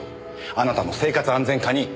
あなたの生活安全課に！